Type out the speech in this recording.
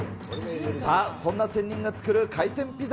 さあ、そんな仙人が作る海鮮ピザ。